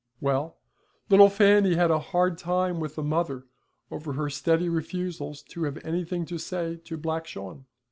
Well, little Fanny had a hard time with the mother over her steady refusals to have anything to say to Black Shawn.